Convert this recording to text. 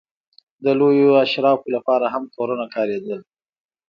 د لویو اشرافو لپاره هم کورونه کارېدل.